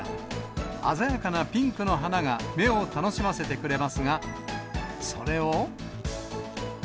鮮やかなピンクの花が目を楽しませてくれますが、それを。